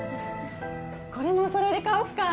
これもおそろいで買おっか？